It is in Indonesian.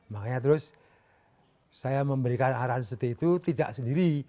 makanya terus saya memberikan arahan seperti itu tidak sendiri